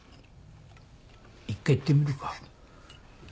一回行ってみるか？